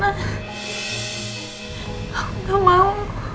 aku nggak mau